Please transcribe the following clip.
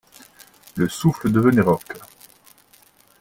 Le souffle devenait rauque.